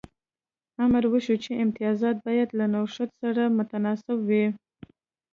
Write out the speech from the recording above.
امر وشو چې امتیازات باید له نوښت سره متناسب وي.